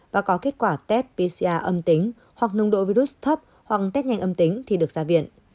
và có kết quả test pcr âm tính hoặc nồng độ virus thấp hoặc test nhanh âm tính thì được ra viện